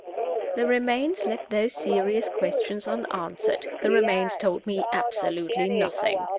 The remains left those serious questions unanswered the remains told me absolutely nothing.